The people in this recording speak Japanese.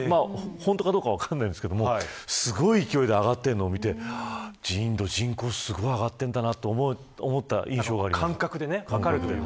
本当かどうか分かりませんがすごい勢いで上がっているのを見てインドの人口はすごく上がっているんだなと思った印象があります。